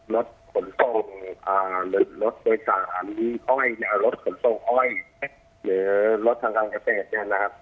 รถขนส่งอ่ารถโดยสารอ้อยรถขนส่งอ้อยหรือรถทางกลางเกษตรนะครับ